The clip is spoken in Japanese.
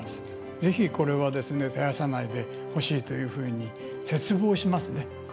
ぜひこれは絶やさないでほしいというふうに切望しますね。